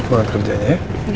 semangat kerjanya ya